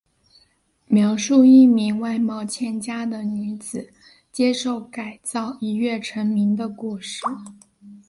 描述一名外貌欠佳的女子接受改造一跃成名的故事。